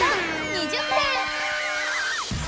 ２０点！